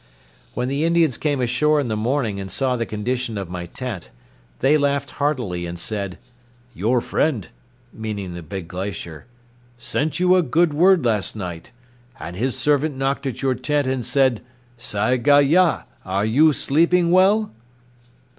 When the Indians came ashore in the morning and saw the condition of my tent they laughed heartily and said, "Your friend [meaning the big glacier] sent you a good word last night, and his servant knocked at your tent and said, 'Sagh a ya, are you sleeping well?